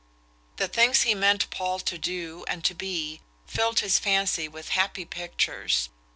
The things he meant Paul to do and to be filled his fancy with happy pictures.